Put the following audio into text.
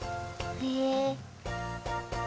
へえ。